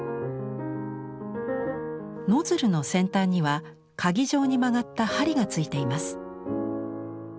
ノズルの先端にはかぎ状に曲がった針が付いています。